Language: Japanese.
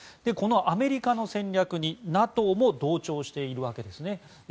このアメリカの戦略にＮＡＴＯも同調しているわけですね。